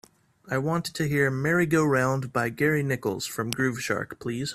I want to hear Merry Go Round by Gary Nichols from Groove Shark please.